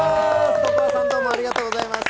Ｃｏｃｏａさん、どうもありがとうございます。